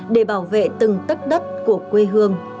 để bảo vệ từng tất đất của quê hương